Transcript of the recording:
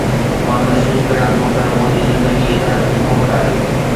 مان محسوس ڪريان ٿو ته منهنجي زندگي هدايت جي کوٽ آهي